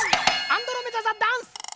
アンドロメダ座ダンス。